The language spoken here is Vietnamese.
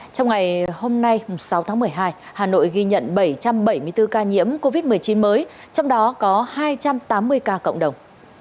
trong ngày hôm nay sáu tháng một mươi hai hà nội ghi nhận bảy trăm bảy mươi bốn ca nhiễm covid một mươi chín mới trong đó có hai trăm tám mươi ca cộng đồng